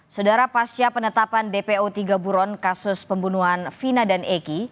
saudara pasca penetapan dpo tiga buron kasus pembunuhan vina dan egy